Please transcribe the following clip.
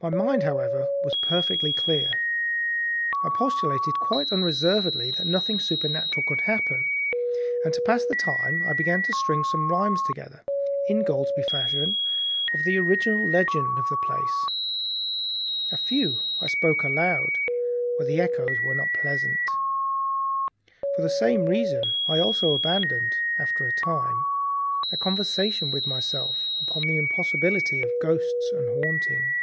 My mind, however, was perfectly clear. I postulated quite unreservedly that nothing supernatural could happen, and to pass the time I began stringing some rhymes together, Ingoldsby fashion, concerning the original legend of the place. A few I spoke aloud, but the echoes were not pleasant. For the same reason I also abandoned, after a time, a conversation with myself upon the impossibility of ghosts and haunting.